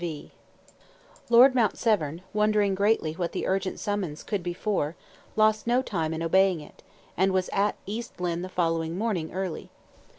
V. Lord Mount Severn, wondering greatly what the urgent summons could be for, lost no time in obeying it, and was at East Lynne the following morning early.